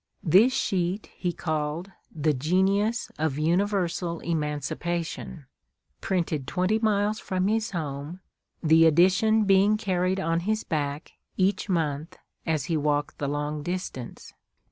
This sheet he called the "Genius of Universal Emancipation," printed twenty miles from his home, the edition being carried on his back, each month, as he walked the long distance.